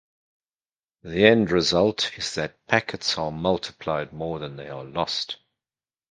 The end result is that packets are multiplied more than they are lost.